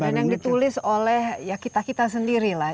dan yang ditulis oleh kita kita sendiri lah